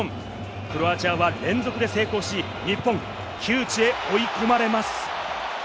クロアチアは連続で成功し、日本は窮地へ追い込まれます。